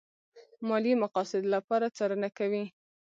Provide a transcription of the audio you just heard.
ماليې مقاصدو لپاره څارنه کوي.